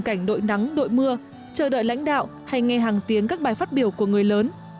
cảnh đội nắng đội mưa chờ đợi lãnh đạo hay nghe hàng tiếng các bài phát biểu của người lớn